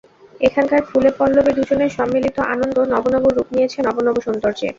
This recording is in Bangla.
এখানকার ফুলে পল্লবে দুজনের সম্মিলিত আনন্দ নব নব রূপ নিয়েছে নব নব সৌন্দর্যে।